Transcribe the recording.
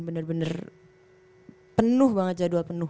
bener bener penuh banget jadwal penuh